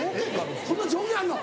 そんな条件あんの？